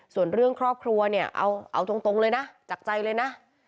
ส่วนเรื่องครอบครัวเนี่ยเอาตรงเลยนะจากใจเลยนะ